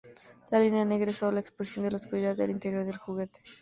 La línea "negra" es sólo la exposición de la oscuridad del interior del juguete.